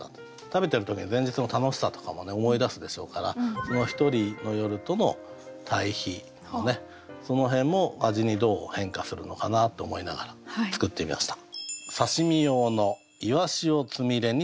食べてる時に前日の楽しさとかも思い出すでしょうからその一人の夜との対比もねその辺も味にどう変化するのかなと思いながら作ってみました。